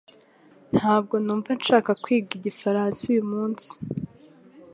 Ntabwo numva nshaka kwiga igifaransa uyumunsi